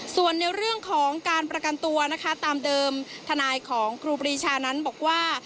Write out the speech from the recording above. ส่วนในเรื่องของการประกันตัวนะคะตามเดิมทนายของครูปรีชานั้นบอกว่า